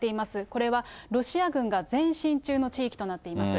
これはロシア軍が前進中の地域となっています。